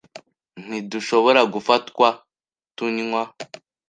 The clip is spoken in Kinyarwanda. Ntidushobora gufatwa tunywa.